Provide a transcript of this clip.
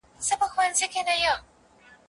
زخمي مي کوچۍ پېغلي دي د تېښتي له مزلونو